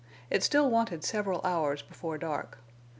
It still wanted several hours before dark.